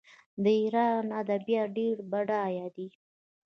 د ایران ادبیات ډیر بډایه دي.